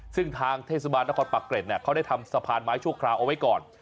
ซึ่งทางเทศบาลนครปากเกร็ดเนี่ยเขาได้ทำสะพานไม้ชั่วคราวเอาไว้ก่อน